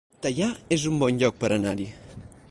Teià es un bon lloc per anar-hi